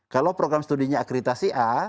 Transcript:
kalau program studinya akreditasi a